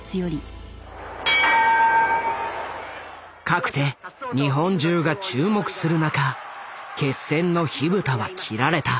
かくて日本中が注目する中決戦の火蓋は切られた。